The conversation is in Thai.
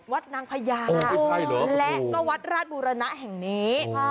วัดนางพญาและก็วัดราชบุรณะแห่งนี้